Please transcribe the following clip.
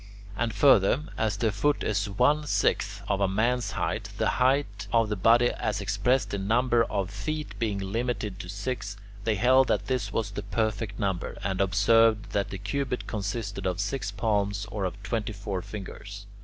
And further, as the foot is one sixth of a man's height, the height of the body as expressed in number of feet being limited to six, they held that this was the perfect number, and observed that the cubit consisted of six palms or of twenty four fingers.